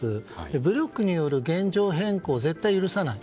武力による現状変更を絶対許さない。